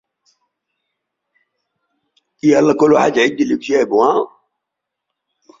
متى عهدك بالكرخ